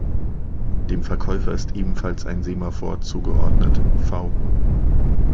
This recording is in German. Dem Verkäufer ist ebenfalls ein Semaphor zugeordnet: "v".